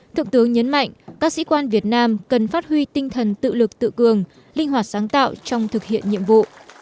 thượng tướng nhấn mạnh các sĩ quan việt nam cần phát huy tinh thần tự lực tự cường linh hoạt sáng tạo trong thực hiện nhiệm vụ